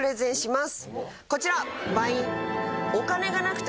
こちら！